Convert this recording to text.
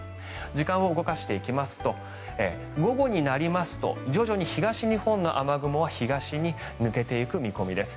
時間を動かしていきますと午後になりますと徐々に東日本の雨雲は東に抜けていく見込みです。